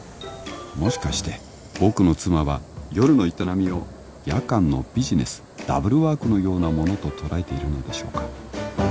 もしかして僕の妻は夜の営みを夜間のビジネスダブルワークのようなものと捉えているのでしょうか？